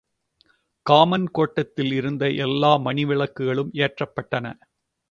Common கோட்டத்தில் இருந்த எல்லா மணி விளக்குகளும் ஏற்றப்பட்டன.